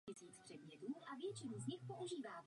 Později začal uvádět i zábavné pořady a talk show.